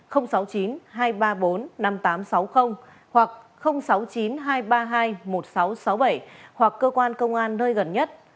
sáu mươi chín hai trăm ba mươi bốn năm nghìn tám trăm sáu mươi hoặc sáu mươi chín hai trăm ba mươi hai một nghìn sáu trăm sáu mươi bảy hoặc cơ quan công an nơi gần nhất